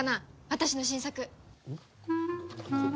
私の新作。